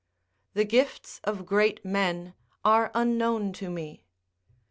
["The gifts of great men are unknown to me."